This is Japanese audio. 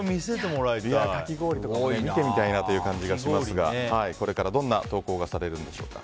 かき氷とかも見てみたいなという感じもしますがこれからどんな投稿がされるんでしょうか。